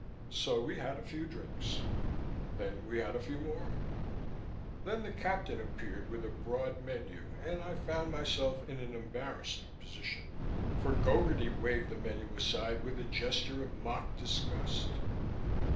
So we had a few drinks. Then we had a few more. Then the captain appeared with a broad menu, and I found myself in an embarrassing position. For Gogarty waved the menu aside with a gesture of mock disgust.